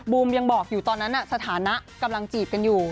ยังบอกอยู่ตอนนั้นสถานะกำลังจีบกันอยู่